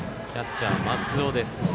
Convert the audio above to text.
キャッチャー、松尾です。